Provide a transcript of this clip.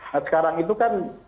nah sekarang itu kan